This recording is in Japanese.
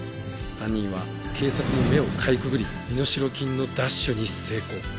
犯人は警察の目をかいくぐり身代金の奪取に成功。